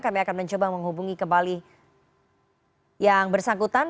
kami akan mencoba menghubungi kembali yang bersangkutan